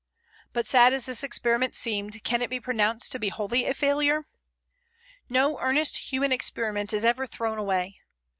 But sad as this experiment seemed, can it be pronounced to be wholly a failure? No earnest human experiment is ever thrown away.